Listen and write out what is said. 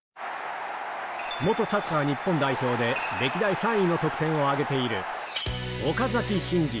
元サッカー日本代表で、歴代３位の得点を挙げている岡崎慎司。